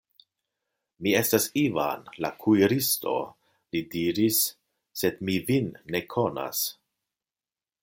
Mi estas Ivan, la kuiristo, li diris, sed mi vin ne konas.